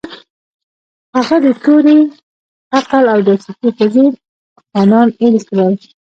هغه د تورې، عقل او دسیسو په زور خانان اېل کړل.